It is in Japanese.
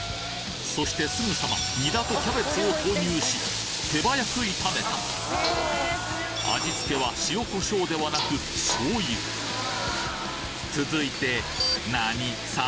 そしてすぐさまニラとキャベツを投入し手早く炒めた味付けは塩胡椒ではなく醤油続いて何？